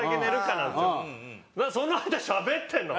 その間しゃべってるの？